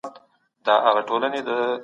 خو اوس د دوستۍ وخت دی.